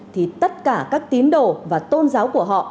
thì tất cả các tín đồ và tôn giáo của họ